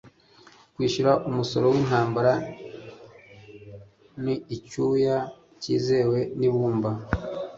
kwishyura umusoro wintambara nu icyuya cyizewe nibumba